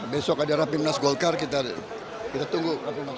besok ada rapimnas golkar kita tunggu